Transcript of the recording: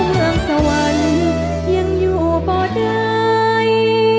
เมืองสวรรค์ยังอยู่เพราะใด